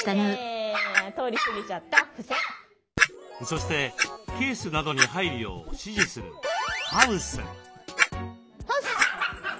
そしてケースなどに入るよう指示する「ハウス」。